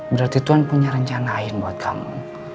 berarti tuhan punya rencana lain buat kamu